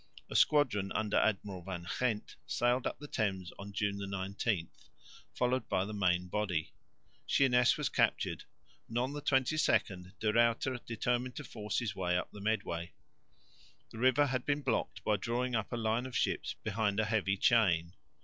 A squadron under Admiral Van Ghent sailed up the Thames on June 19, followed by the main body. Sheerness was captured, and on the 22nd De Ruyter determined to force his way up the Medway. The river had been blocked by drawing up a line of ships behind a heavy chain.